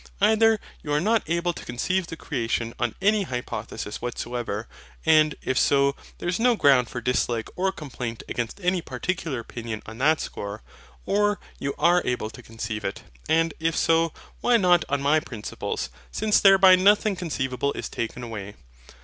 Either you are not able to conceive the Creation on any hypothesis whatsoever; and, if so, there is no ground for dislike or complaint against any particular opinion on that score: or you are able to conceive it; and, if so, why not on my Principles, since thereby nothing conceivable is taken away?